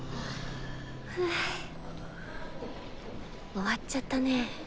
終わっちゃったねぇ。